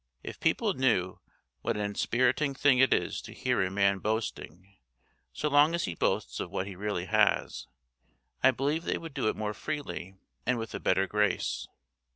If people knew what an inspiriting thing it is to hear a man boasting, so long as he boasts of what he really has, I believe they would do it more freely and with a better grace.